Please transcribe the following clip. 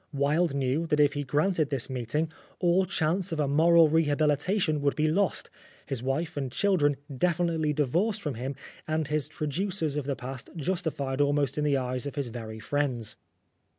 Wilde knew that if he granted this meeting all chance of a moral rehabilitation would be lost, his wife and children definitely divorced from him, and his traducers of the past justified almost in the eyes of his very friends.